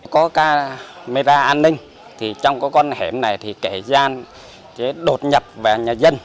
có camera an ninh thì trong cái con hẻm này thì kể gian đột nhập vào nhà dân